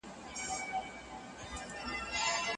د اورګاډي پټلۍ به جوړه سي.